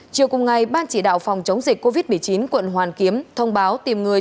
chiều cùng ngày ban chỉ đạo phòng chống dịch covid một mươi chín quận hoàn kiếm thông báo tìm người